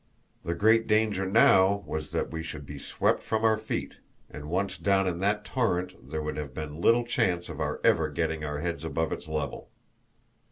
The great danger now was that we should be swept from our feet, and once down in that torrent there would have been little chance of our ever getting our heads above its level.